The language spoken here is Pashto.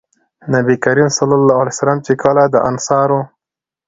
نبي کريم صلی الله عليه وسلم چې کله د انصارو